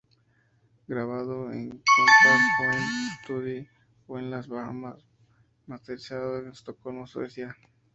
Grabado en "Compass Point Studi"o en las Bahamas y masterizado en Estocolmo, Suecia.